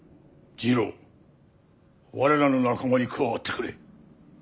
次郎我らの仲間に加わってくれ。